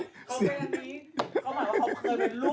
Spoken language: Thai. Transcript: เขาเป็นแบบนี้